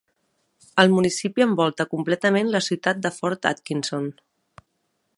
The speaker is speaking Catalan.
El municipi envolta completament la ciutat de Fort Atkinson.